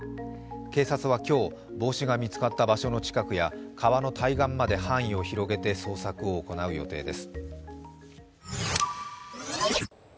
警察は今日、帽子が見つかった場所の近くや川の対岸まで範囲を広げて捜索を行う予定です。